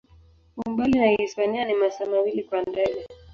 Umbali na Hispania ni masaa mawili kwa ndege.